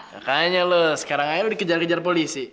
makanya lo sekarang aja lo dikejar kejar polisi